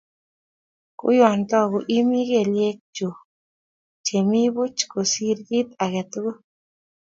Kouyotoku, iimi kelyek chuk chemi buch kosir kit ake tukul